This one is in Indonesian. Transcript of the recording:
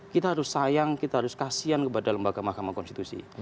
kita harus sayang kita harus kasihan kepada lembaga mahkamah konstitusi